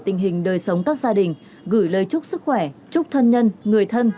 tình hình đời sống các gia đình gửi lời chúc sức khỏe chúc thân nhân người thân